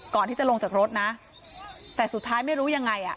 ก่อนที่จะลงจากรถนะแต่สุดท้ายไม่รู้ยังไงอ่ะ